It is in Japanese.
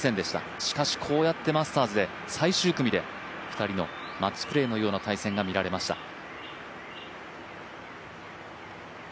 しかし、こうやってマスターズで最終組で２人のマッチプレーのような対戦が見られました。